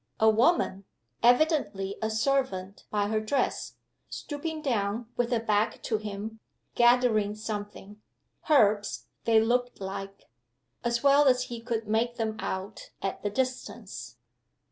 A woman evidently a servant by her dress stooping down with her back to him, gathering something: herbs they looked like, as well as he could make them out at the distance.